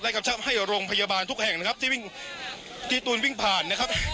และกำชักให้โรงพยาบาลทุกแห่งนะครับที่ตูนวิ่งผ่านนะครับ